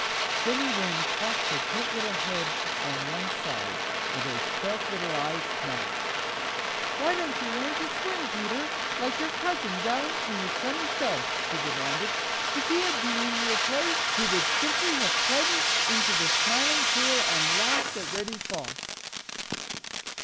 Jenny Wren cocked her pert little head on one side, and her sharp little eyes snapped. "Why don't you learn to swim, Peter, like your cousin down in the Sunny South?" she demanded. "If he had been in your place, he would simply have plunged into the Smiling Pool and laughed at Reddy Fox."